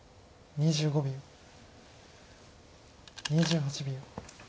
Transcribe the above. ２８秒。